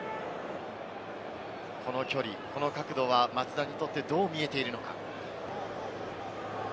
この距離、この角度は松田にとって、どう見えているのか？